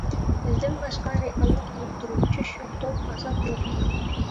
بىزدىن باشقا رېئاللىق يوقتۇر، چۈش يوقتۇر، ئازاب يوقتۇر.